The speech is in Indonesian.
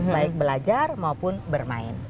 baik belajar maupun bermain